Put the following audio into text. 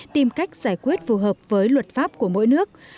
tìm cách giải quyết phù hợp với luật pháp của mỗi nước